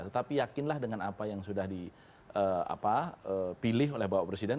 tetapi yakinlah dengan apa yang sudah dipilih oleh bapak presiden